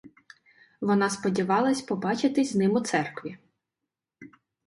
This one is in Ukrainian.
Вона сподівалась побачиться з ним у церкві.